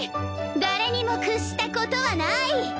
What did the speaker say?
誰にも屈したことはない！